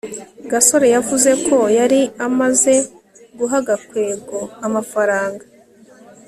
gasore yavuze ko yari amaze guha gakwego amafaranga